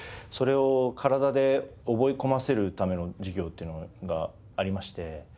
それを体で覚え込ませるための授業っていうのがありまして。